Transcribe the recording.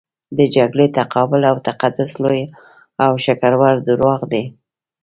د جګړې تقابل او تقدس لوی او ښکرور درواغ دي.